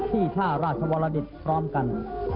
ที่ท่าราชวรดิตพร้อมกัน